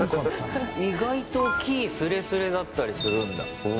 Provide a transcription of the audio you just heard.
意外と木、すれすれだったりするんだ。